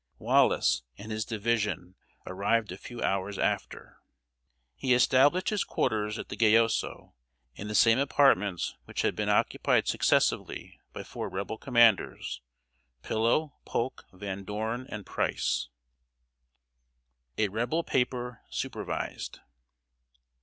Wallace; and his division arrived a few hours after. He established his quarters at the Gayoso, in the same apartments which had been occupied successively by four Rebel commanders, Pillow, Polk, Van Dorn, and Price. [Sidenote: A REBEL PAPER SUPERVISED.